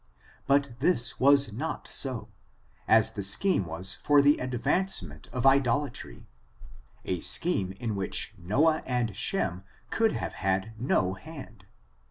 But this was not so^ as the scheme was for the advancement of idolatry^ a scheme in which Noah and Sheni could have had no hand.